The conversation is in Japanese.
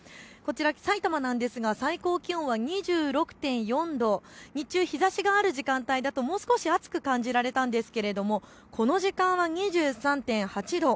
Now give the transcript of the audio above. さいたまなんですが最高気温は２６．４度、日中、日ざしがある時間帯だともう少し暑く感じられたんですがこの時間は２３．８度。